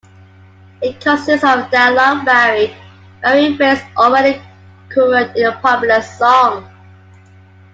It consists of dialogue varied by refrains already current in popular song.